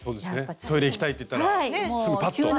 トイレ行きたいって言ったらすぐパッと。